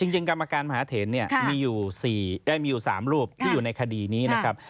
กรรมการมหาเถนเนี่ยมีอยู่๓รูปที่อยู่ในคดีนี้นะครับ